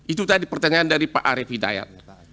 itu tadi pertanyaan dari pak arief hidayat